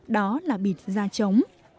đó là bịt da trống